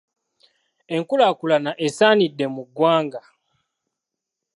Enkulaakulana esaanidde mu ggwanga.